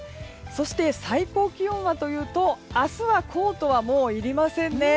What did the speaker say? そして、最高気温はというと明日はコートはもういりません。